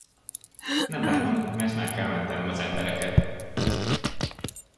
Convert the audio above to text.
Nem bánom, mert meg kell mentenem az embereket!